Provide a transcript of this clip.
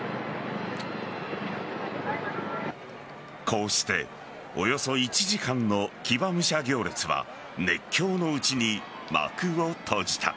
こうしておよそ１時間の騎馬武者行列は熱狂のうちに幕を閉じた。